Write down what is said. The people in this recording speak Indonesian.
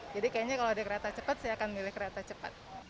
jadi kayaknya kalau di kereta cepat sih akan milih kereta cepat